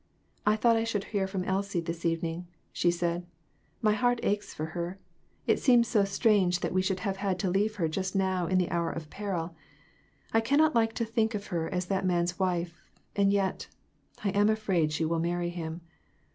"I thought I should hear from Elsie this evening," she said. "My heart aches for her; it seems so strange that we should have had to leave her just now in her hour of peril ; I cannot like to think of her as that man's wife; and yet, I am afraid she will marry him.